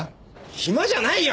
暇じゃないよ！